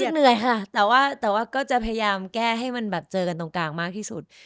เหนื่อยค่ะแต่ว่าก็จะพยายามแก้ให้มันแบบเจอกันตรงกลางมากที่สุด